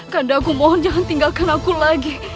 karena aku mohon jangan tinggalkan aku lagi